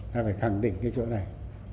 ta phải khẳng định cái chỗ này